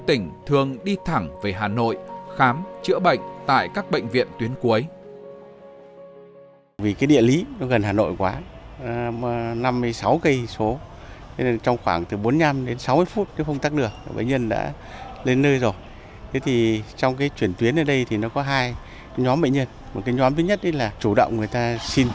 tỉnh thường đi thẳng về hà nội khám chữa bệnh tại các bệnh viện tuyến cuối